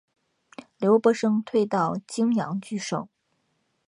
刘伯升退到棘阳据守。